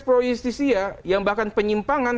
proistisya yang bahkan penyimpangan